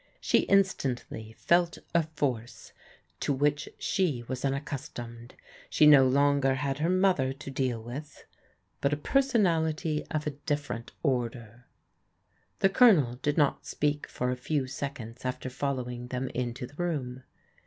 She instantly felt a force to which she was unaccustomed. She no longer had her mother to deal with, but a personality of a different order. The Colonel did not speak for a few seconds after fol lowing them into the room.